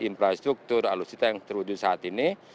dari infrastruktur alucita yang terwujud saat ini